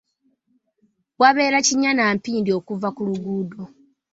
Wabeera kinnya na mpindi okuva ku luguudo.